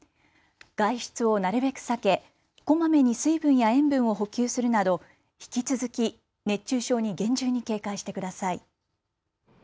外出をなるべく避けこまめに水分や塩分を補給するなど引き続き熱中症に厳重に警戒してください。